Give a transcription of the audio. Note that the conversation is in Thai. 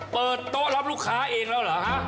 เปิดโต๊ะรับลูกค้าเองแล้วเหรอฮะ